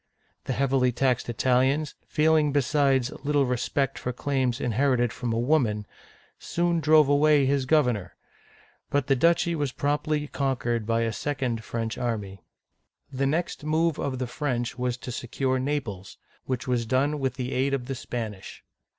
The heavily taxed Draining by Du aemane. Bayard holding the Bridge. Italians, feeling besides little respect for claims inherited from a woman, soon drove away his governor; but the duchy was promptly conquered by a second French army. The next move of the French was to secure Naples, which was done with the aid of the Spanish.